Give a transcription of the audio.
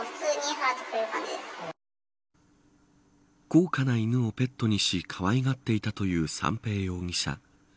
高価な犬をペットにしかわいがっていたという三瓶容疑者。